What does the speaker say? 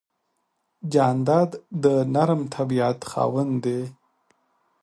جانداد د نرم طبیعت خاوند دی.